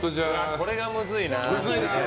これがむずいな。